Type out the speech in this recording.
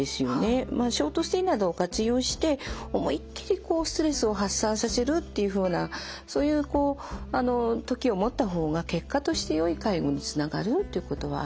ショートステイなどを活用して思いっきりストレスを発散させるっていうふうなそういう時を持った方が結果としてよい介護につながるっていうことはあると思います。